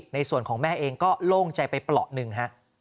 ในส่วนของแม่เองก็โล่งใจไปเปราะหนึ่งฮะ